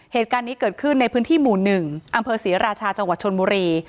เหตุการณ์นี้เกิดขึ้นในพื้นที่หมู่๑อำเภอศรีราชาจังหวัดชนบุรี